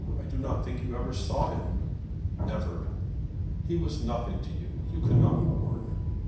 I do not think you ever saw him." "Never." "He was nothing to you. You cannot mourn."